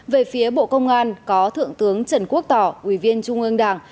về phía bộ công an có thượng tướng trần quốc tỏ ủy viên trung ương đảng